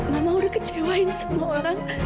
mama udah kecewain semua orang